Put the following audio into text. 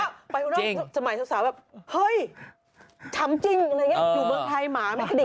ในสมัยสาวสาวทำจริงอยู่เมืองไทยหมาแม่ค่ะ